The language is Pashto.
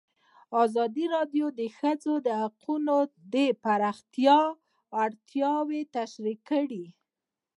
ازادي راډیو د د ښځو حقونه د پراختیا اړتیاوې تشریح کړي.